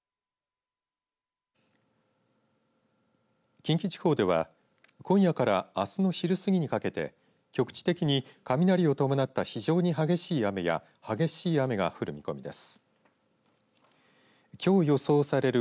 近畿地方では今夜からあすの昼過ぎにかけて局地的に雷を伴った非常に激しい雨や激しい雨が降る見込みです。